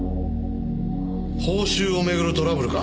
報酬をめぐるトラブルか。